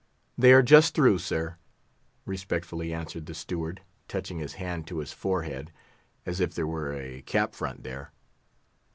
"They are just through, sir," respectfully answered the steward, touching his hand to his forehead, as if there were a cap front there.